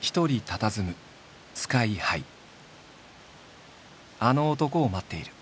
あの男を待っている。